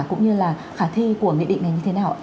cũng như là khả thi của nghị định này như thế nào ạ